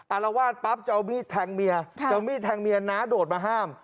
อารวาสปั๊บจะเอามีดแทงเมียจะเอามีดแทงเมียน้าโดดมาห้าม